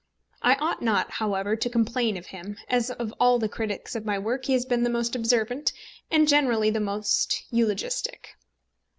I ought not, however, to complain of him, as of all the critics of my work he has been the most observant, and generally the most eulogistic.